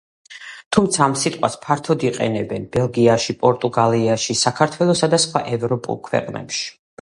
თუმცა ამ სიტყვას ფართოდ იყენებენ, ბელგიაში, პორტუგალიაში, საქართველოსა და სხვა ევროპულ ქვეყნებში.